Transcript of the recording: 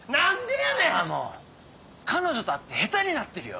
あもう彼女と会って下手になってるよ？